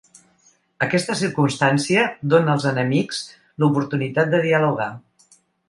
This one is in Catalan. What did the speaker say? Aquesta circumstància dóna als enemics l’oportunitat de dialogar.